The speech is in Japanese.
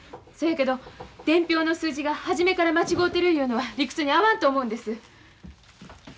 そやけど伝票の数字が初めから間違うてるいうのは理屈に合わんと思うんです。